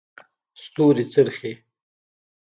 ستوري څرڅي.